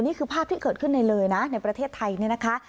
นี่คือภาพที่เกิดขึ้นในเลยนะในประเทศไทยเนี่ยนะคะ